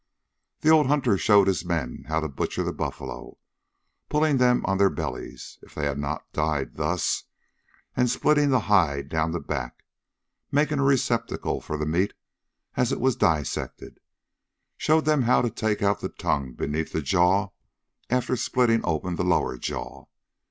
The old hunter showed his men how to butcher the buffalo, pulling them on their bellies, if they had not died thus, and splitting the hide down the back, to make a receptacle for the meat as it was dissected; showed them how to take out the tongue beneath the jaw, after slitting open the lower jaw.